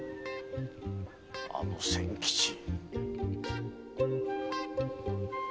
あの千吉！